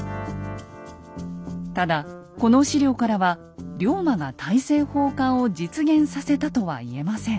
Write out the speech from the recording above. ただこの史料からは龍馬が大政奉還を実現させたとは言えません。